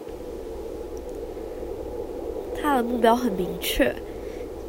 他的目標很明確